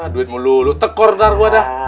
duit mulu lu tekor ntar gua dah